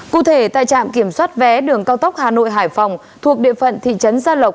cụ thể tại trạm kiểm soát vé đường cao tốc hà nội hải phòng thuộc địa phận thị trấn gia lộc